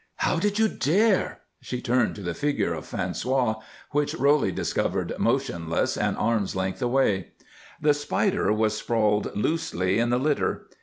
"How did you dare ?" She turned to the figure of François, which Roly discovered motionless an arm's length away. The Spider was sprawled loosely in the litter.